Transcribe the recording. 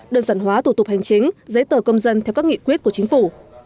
đơn giản hóa thủ tục hành chính giấy tờ công dân theo các nghị quyết của chính phủ